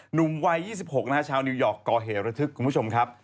หนุ่มวัย๒๖นะฮะชาวนิวยอร์กก่อเหตุระทึกคุณผู้ชมครับ